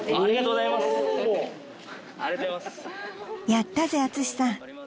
［やったぜアツシさん！］